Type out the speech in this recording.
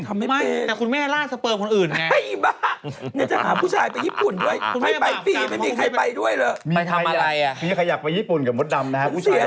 แต่คุณแม่ร่านสเปิลคนอื่นเนี่ยอะไรอี๋ปะ